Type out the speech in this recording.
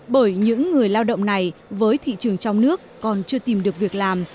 bởi những người lao động này với thị trường trong nước còn chưa tìm được việc làm